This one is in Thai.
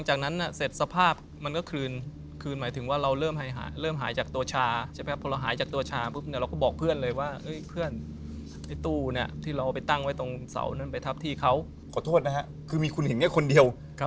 ใช่มันทนไม่ไหวจนขนาดต้องไปดูอะ